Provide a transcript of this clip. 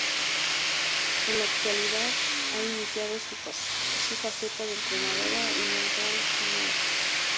En la actualidad, ha iniciado su faceta de entrenadora en el Real Canoe.